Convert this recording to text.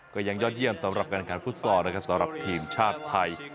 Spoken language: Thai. ก็ยังยอดเยี่ยมสำหรับการแข่งฟุตซอลนะครับสำหรับทีมชาติไทย